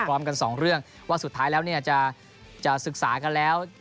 พร้อมกันสองเรื่องว่าสุดท้ายแล้วเนี่ยจะศึกษากันแล้ว